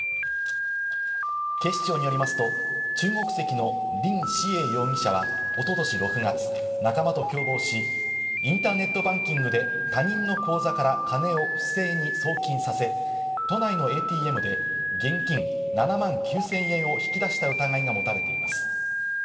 警視庁によりますと中国籍のリン・シエイ容疑者は一昨年６月、仲間と共謀し、インターネットバンキングで他人の口座から金を不正に送金させ、都内のＡＴＭで現金７万９０００円を引き出した疑いが持たれています。